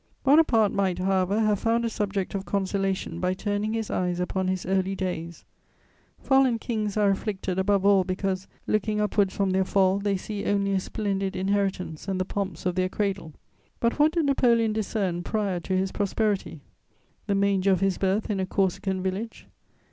Bonaparte might, however, have found a subject of consolation by turning his eyes upon his early days: fallen kings are afflicted above all because, looking upwards from their fall, they see only a splendid inheritance and the pomps of their cradle: but what did Napoleon discern prior to his prosperity? The manger of his birth in a Corsican village.